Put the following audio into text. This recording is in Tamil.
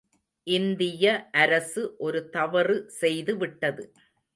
இந்திய அரசு ஒரு தவறு செய்துவிட்டது.